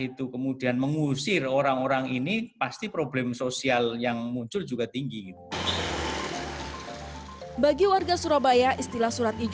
itu kemudian mengusir orang orang ini pasti problem sosial yang muncul juga tinggi bagi warga surabaya istilah surat